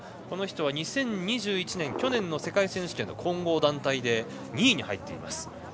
この人は２０２１年去年の世界選手権混合団体で２位に入っています。